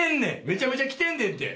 めちゃめちゃ着てんねんって。